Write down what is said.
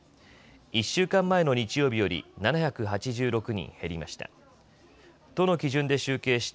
１週間前の日曜日より７８６人減りました。